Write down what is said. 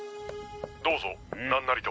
どうぞなんなりと。